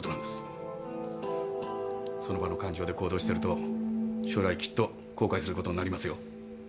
その場の感情で行動してると将来きっと後悔することになりますよ。